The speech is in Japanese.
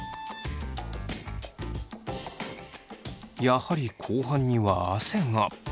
やはり後半には汗が。